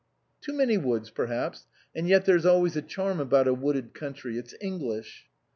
" Too many woods, perhaps. And yet there's always a charm about a wooded country ; it's English."